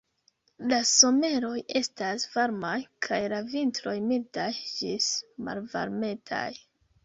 La someroj estas varmaj kaj la vintroj mildaj ĝis malvarmetaj.